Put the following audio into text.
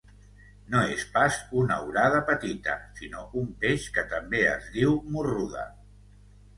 No és pas una orada petita, sinó un peix que també es diu morruda.